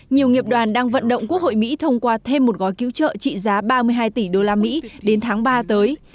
nhiều nghiệp đoàn đang vận động quốc hội mỹ thông qua thêm một gói cứu trợ trị giá ba mươi hai tỷ đô la mỹ đến tháng ba tới